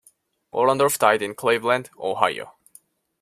Ollendorff died in Cleveland, Ohio.